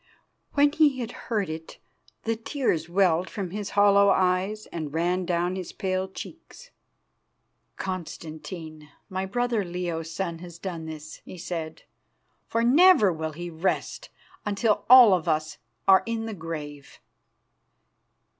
When he had heard it, the tears welled from his hollow eyes and ran down his pale cheeks. "Constantine, my brother Leo's son, has done this," he said, "for never will he rest until all of us are in the grave."